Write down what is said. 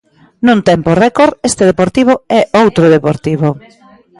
Nun tempo récord este Deportivo é outro Deportivo.